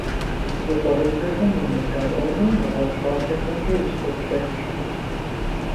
Си хъуэрыбзэхэм уемыдаӀуэурэ, нэгъуэщӀ щӀалэхэмкӀэ усфӀоплъэкӀ.